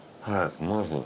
うまいです。